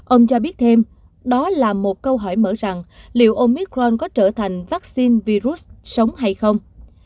ông cho biết thêm đó là một câu hỏi mở rằng liệu omicron có trở thành vaccine virus sống hay không